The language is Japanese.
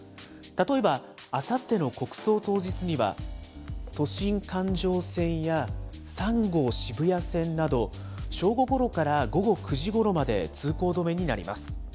例えば、あさっての国葬当日には、都心環状線や、３号渋谷線など、正午ごろから午後９時ごろまで、通行止めになります。